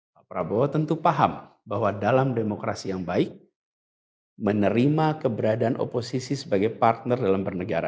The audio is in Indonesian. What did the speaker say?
pak prabowo tentu paham bahwa dalam demokrasi yang baik menerima keberadaan oposisi sebagai partner dalam bernegara